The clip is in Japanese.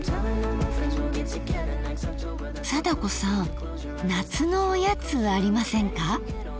貞子さん夏のおやつありませんか？